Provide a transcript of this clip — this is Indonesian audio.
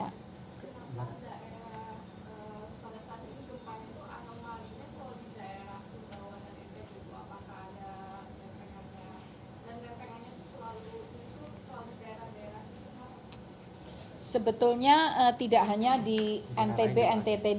kenapa daerah pada saat ini jum'at itu anomalinya selalu di daerah subawang dan ntt